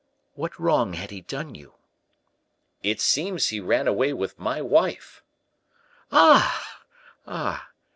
"What wrong had he done you?" "It seems he ran away with my wife." "Ah, ah!"